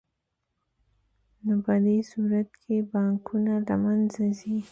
نو په دې صورت کې بانکونه له منځه ځي